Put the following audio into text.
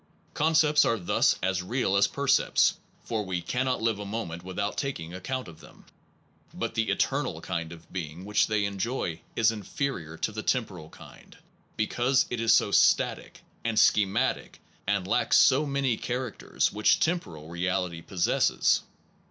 2 Concepts are thus as real as percepts, for we cannot live a moment without taking account of them. But the eternal kind of being which they enjoy is in ferior to the temporal kind, because it is so static and schematic and lacks so many charac ters which temporal reality possesses.